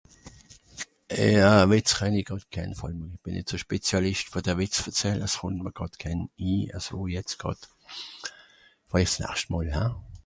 Blague ? Je suis pas vraiment spécialiste. Il m'en vient pas pour l'instant à l'esprit La prochaine fois peut être